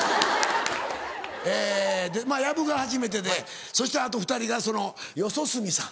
えぇ薮が初めてでそしてあと２人がその四十住さん。